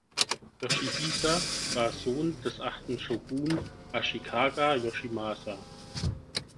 Yoshihisa war Sohn des achten Shogun, Ashikaga Yoshimasa.